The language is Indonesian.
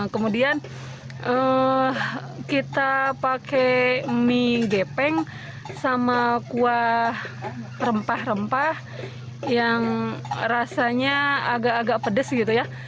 kemudian kita pakai mie gepeng sama kuah rempah rempah yang rasanya agak agak pedes gitu ya